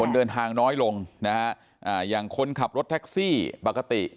เดินทางน้อยลงนะฮะอ่าอย่างคนขับรถแท็กซี่ปกติ